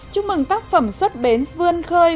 chúc mừng tác phẩm xuất bến vươn khơi